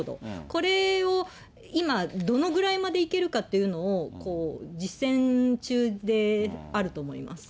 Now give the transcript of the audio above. これを今、どのぐらいまでいけるかっていうのを実践中であると思います。